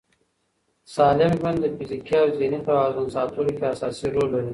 سالم ژوند د فزیکي او ذهني توازن ساتلو کې اساسي رول لري.